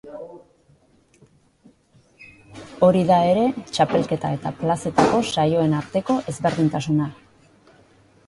Hori da ere txapelketa eta plazetako saioen arteko ezberdintasuna.